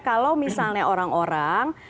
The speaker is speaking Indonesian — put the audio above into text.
kalau misalnya orang orang